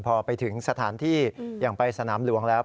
พอไปถึงสถานที่อย่างไปสนามหลวงแล้ว